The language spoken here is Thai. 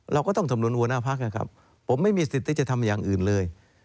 เราก็ต้องสำนวนหัวหน้าพักนะครับผมไม่มีสิทธิ์ที่จะทำอย่างอื่นเลย